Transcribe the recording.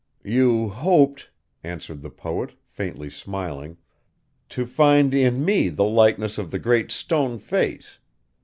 'You hoped,' answered the poet, faintly smiling, 'to find in me the likeness of the Great Stone Face.